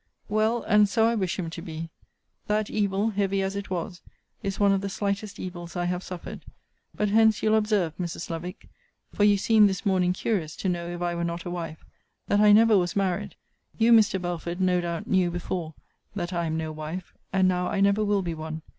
'Well, and so I wish him to be. That evil, heavy as it was, is one of the slightest evils I have suffered. But hence you'll observe, Mrs. Lovick, (for you seemed this morning curious to know if I were not a wife,) that I never was married. You, Mr. Belford, no doubt, knew before that I am no wife: and now I never will be one.